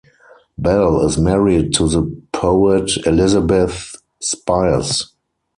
Bell is married to the poet Elizabeth Spires.